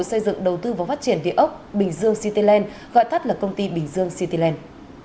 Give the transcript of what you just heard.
xây dựng đầu tư và phát triển địa ốc bình dương cityland gọi thắt là công ty bình dương cityland